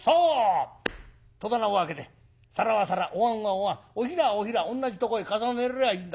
戸棚を開けて皿は皿おわんはおわんおひらはおひらおんなじとこへ重ねりゃいいんだ。